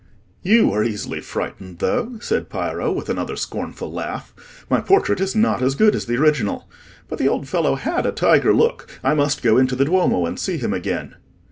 "You are easily frightened, though," said Piero, with another scornful laugh. "My portrait is not as good as the original. But the old fellow had a tiger look: I must go into the Duomo and see him again."